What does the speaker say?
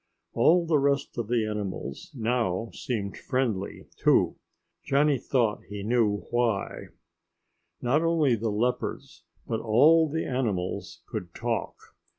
All the rest of the animals now seemed friendly, too. Johnny thought he knew why. Not only the leopards, but all the animals could talk!